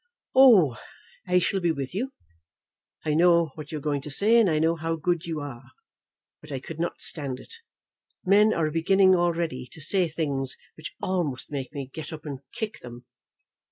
"Oh, I shall be with you. I know what you are going to say, and I know how good you are. But I could not stand it. Men are beginning already to say things which almost make me get up and kick them.